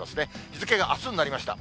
日付があすになりました。